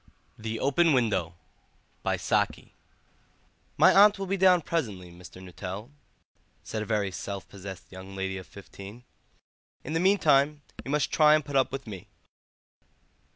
THE OPEN WINDOW "My aunt will be down presently, Mr. Nuttel," said a very self possessed young lady of fifteen; "in the meantime you must try and put up with me."